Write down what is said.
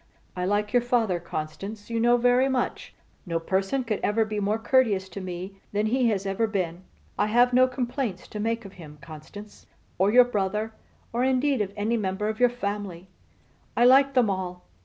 I like your father, Constance, you know, very much. No person ever could be more courteous to me than he has ever been. I have no complaints to make of him, Constance; or your brother, or indeed of any member of your family. I like them all.